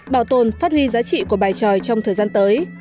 bảo tồn phát huy giá trị của bài tròi trong thời gian tới